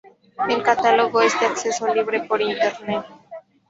El catálogo es de acceso libre por Internet.